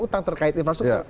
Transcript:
utang terkait infrastruktur